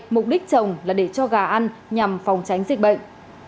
mục đích trồng là để cho gà ăn nhằm phòng tránh dịch bệnh